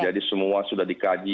jadi semua sudah dikaji